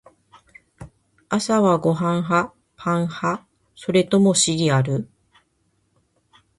朝はご飯派？パン派？それともシリアル？